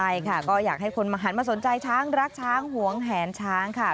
ใช่ค่ะก็อยากให้คนมาหันมาสนใจช้างรักช้างหวงแหนช้างค่ะ